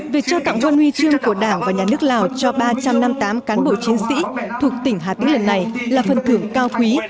việc trao tặng huân huy trương của đảng và nhà nước lào cho ba trăm năm mươi tám cán bộ chiến sĩ thuộc tỉnh hà tĩnh lần này là phần thưởng cao quý